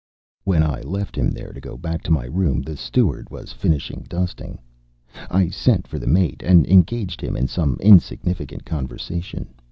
When I left him there to go back to my room the steward was finishing dusting. I sent for the mate and engaged him in some insignificant conversation.